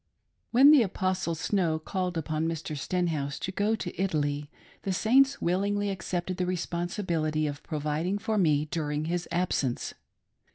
WHEN the Apostle Snow called upon Mr. Stenhouse to go to Italy, the Saints willingly accepted the responsi bility of providing for me during his absence.